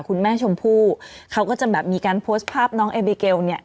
คุณแม่ชมพู่เขาก็จะแบบมีการโพสต์ภาพน้องเอบิเกลเนี่ย